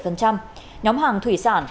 nhóm hàng thủy sản